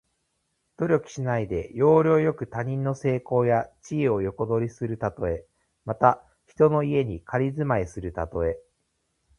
努力しないで、要領よく他人の成功や地位を横取りするたとえ。また、人の家に仮住まいするたとえ。